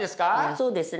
そうですね。